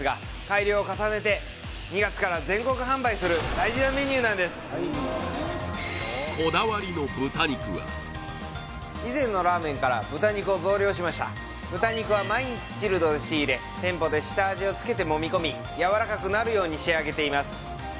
このメニューはこだわりの豚肉はしました豚肉は毎日チルドで仕入れ店舗で下味を付けてもみ込みやわらかくなるように仕上げています